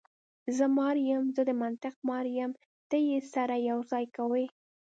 زه مار یم، زه د منطق مار یم، ته یې سره یو ځای کوې.